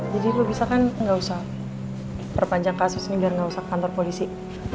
jadi lo bisa kan nggak usah perpanjang kasus ini biar nggak usah ke kantor polisi